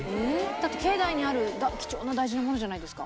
だって境内にある貴重な大事なものじゃないですか。